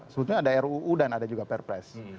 sebetulnya ada ruu dan ada juga perpres